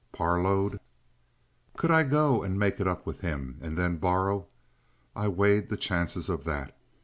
Parload? Could I go and make it up with him, and then borrow? I weighed the chances of that.